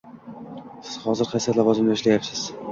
Siz hozir qaysi lavozimda ishlayapsiz